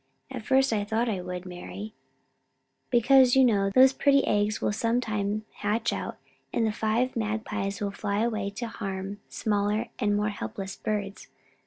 "At first, I thought I would, Mari, because, you know, those pretty eggs will sometime hatch out, and the five magpies will fly away to harm smaller and more helpless birds.